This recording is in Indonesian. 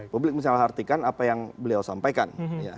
publik menyalah artikan apa yang beliau sampaikan